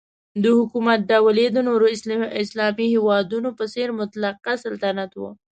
د حکومت ډول یې د نورو اسلامي هیوادونو په څېر مطلقه سلطنت و.